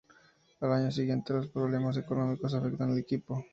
Al año siguiente los problemas económicos afectan al equipo.